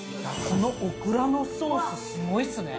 このオクラのソースすごいっすね。